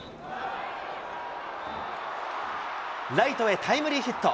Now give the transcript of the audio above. ライトへタイムリーヒット。